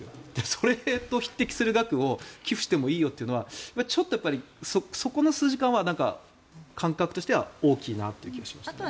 それと匹敵する額を寄付してもいいよというのはちょっとやっぱりそこの数字感は感覚としては大きいなという気がしました。